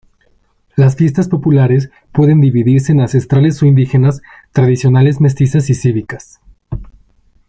Las fiestas populares, pueden dividirse en ancestrales o indígenas, tradicionales mestizas y cívicas.